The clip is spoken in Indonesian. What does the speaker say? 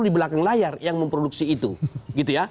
di belakang layar yang memproduksi itu